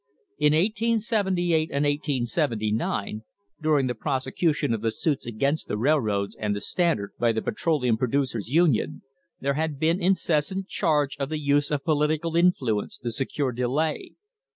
In 1878 and 1879, during the prosecution of the suits against the railroads and the Standard by the Petroleum Producers' Union, there had been incessant charge of the use of political influence to secure delay.